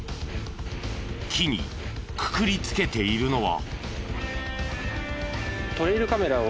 木にくくり付けているのは。